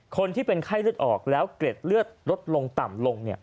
คนที่เป็นไข้เลือดออกแล้วเกร็ดเลือดลดลงต่ำลง